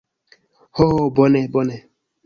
Ho, bone bone.